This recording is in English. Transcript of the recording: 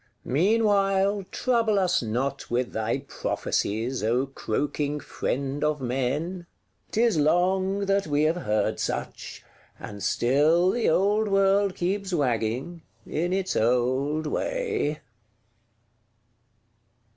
Meanwhile, trouble us not with thy prophecies, O croaking Friend of Men: 'tis long that we have heard such; and still the old world keeps wagging, in its old way.